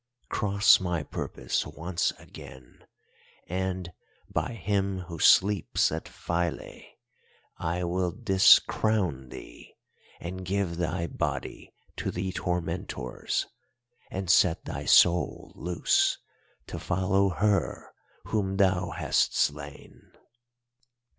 Cross my purpose once again, and, by Him who sleeps at Philæ, I will discrown thee and give thy body to the tormentors, and set thy soul loose to follow her whom thou hast slain.